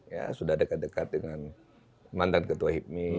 ya sudah dekat dekat dengan mantan ketua hipmi